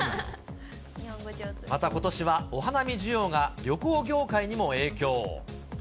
また、ことしはお花見需要が旅行業界にも影響。